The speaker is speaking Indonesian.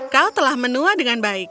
kau telah menua dengan baik